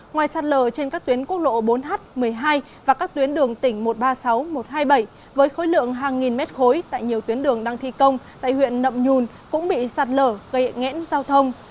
ngoài sạt lở trên các tuyến quốc lộ bốn h một mươi hai và các tuyến đường tỉnh một trăm ba mươi sáu một trăm hai mươi bảy với khối lượng hàng nghìn mét khối tại nhiều tuyến đường đang thi công tại huyện nậm nhùn cũng bị sạt lở gây nghẽn giao thông